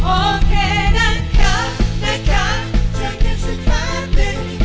โอเครักเขานะคะเจอกันสักพักหนึ่ง